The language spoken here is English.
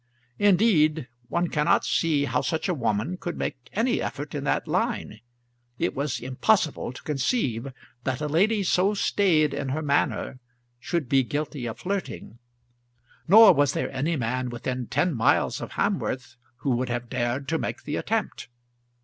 Indeed, one cannot see how such a woman could make any effort in that line. It was impossible to conceive that a lady so staid in her manner should be guilty of flirting; nor was there any man within ten miles of Hamworth who would have dared to make the attempt.